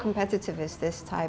kompetitifnya bisnis ini